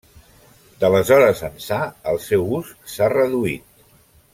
D'aleshores ençà, el seu ús s'ha reduït.